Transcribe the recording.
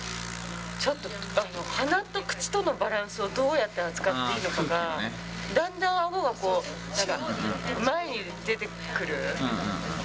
ちょっと、鼻と口とのバランスをどうやって扱っていいのかが、だんだんあごが前に出てくる。